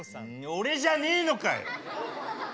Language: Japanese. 俺じゃねえのかよ。